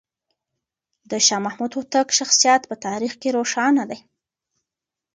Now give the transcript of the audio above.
د شاه محمود هوتک شخصیت په تاریخ کې روښانه دی.